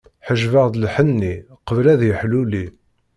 Ḥejbeɣ-d lḥenni, qbel ad yeḥluli.